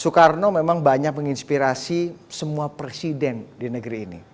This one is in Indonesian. soekarno memang banyak menginspirasi semua presiden di negeri ini